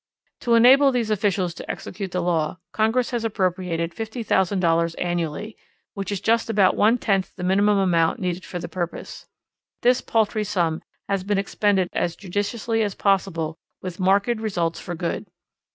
To enable these officials to execute the law, Congress has appropriated $50,000 annually which is just about one tenth the minimum amount needed for the purpose. This paltry sum has been expended as judiciously as possible with marked results for good.